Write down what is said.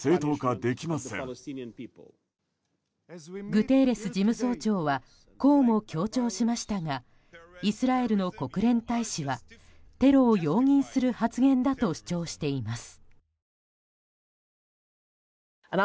グテーレス事務総長はこうも強調しましたがイスラエルの国連大使はテロを容認する発言だと主張しています。